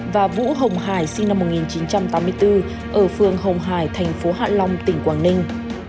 và vũ hồng hải sinh năm một nghìn chín trăm tám mươi bốn ở phường hồng hải thành phố hạ long tỉnh quảng ninh